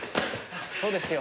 そうですよ。